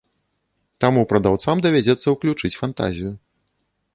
Таму прадаўцам давядзецца ўключыць фантазію.